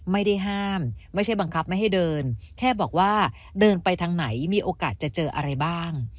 ไม่ได้ห้ามไม่ใช่บังคับไม่ให้เดินแค่บอกว่าเดินไปทางไหนมีโอกาสจะเจออะไรบ้าง